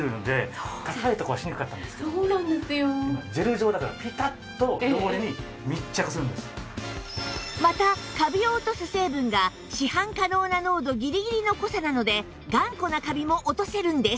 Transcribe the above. しかもまたカビを落とす成分が市販可能な濃度ギリギリの濃さなので頑固なカビも落とせるんです